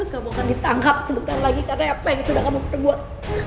kamu akan ditangkap sebentar lagi karena apa yang sudah kamu perbuat